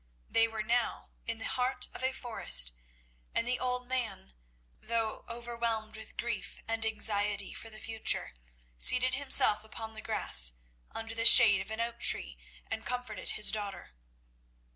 They were now in the heart of a forest, and the old man, though overwhelmed with grief and anxiety for the future, seated himself upon the grass under the shade of an oak tree and comforted his daughter.